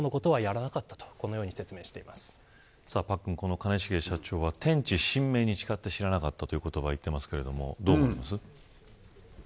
兼重社長は天地神明に誓って知らなかったと言っていますがどう思いますか。